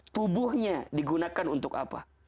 tubuhnya digunakan untuk apa